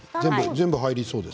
全部入りそうです。